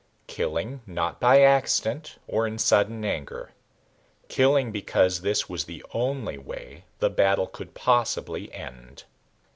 Killing, not by accident or in sudden anger. Killing because this was the only way the battle could possibly end.